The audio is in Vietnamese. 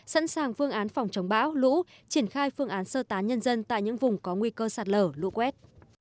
sẵn sàng phương án phòng chống bão lũ triển khai phương án sơ tán nhân dân tại những vùng có nguy cơ sạt lở lũ quét